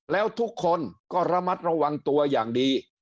แล้วทุกคนก็ระมัดระวังตัวอย่างดี